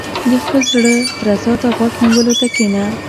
• د خپل زړۀ درزا ته غوږ نیولو ته کښېنه.